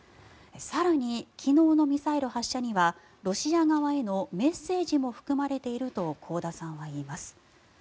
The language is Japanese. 更に昨日のミサイル発射にはロシア側へのメッセージも含まれていると香田さんは言います。